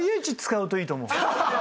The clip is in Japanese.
ＩＨ使うといいと思う。